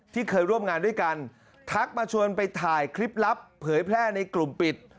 เคยร่วมงานด้วยกันทักมาชวนไปถ่ายคลิปลับเผยแพร่ในกลุ่มปิด